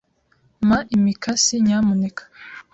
Mpa imikasi, nyamuneka.